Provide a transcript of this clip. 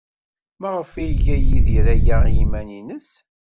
Maɣef ay iga Yidir aya i yiman-nnes?